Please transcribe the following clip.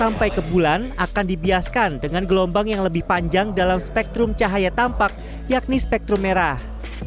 sampai ke bulan akan dibiaskan dengan gelombang yang lebih panjang dalam spektrum cahaya tampak yakni spektrum merah